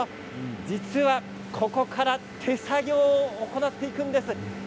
実は、ここから手作業を行っていくんです。